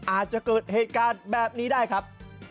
อาจจะเกิดเหตุการณ์แบบนี้ได้ครับ